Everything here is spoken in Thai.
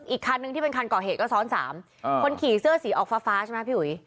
อีกคันนึงที่เป็นคันก่อเหตุก็ซ้อน๓คนขี่เสื้อสีออกฟ้าฟ้าใช่ไหมพี่อุ๋ย